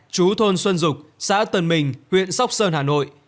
chú thôn xuân dục xã tân bình huyện sóc sơn hà nội